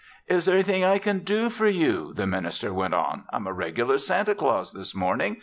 "Is there anything I can do for you?" the minister went on. "I'm a regular Santa Claus this morning.